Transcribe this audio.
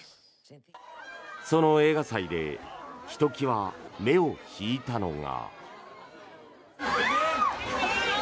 その映画祭でひときわ目を引いたのが。